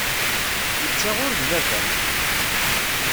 Netta ur d baba-m.